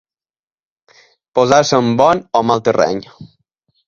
Posar-se en bon o mal terreny.